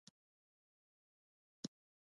ستره محکمه څه واکونه لري؟